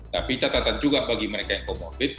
tapi catatan juga bagi mereka yang comorbid